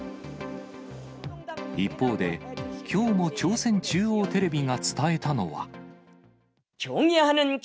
一方で、きょうも朝鮮中央テレビが伝えたのは。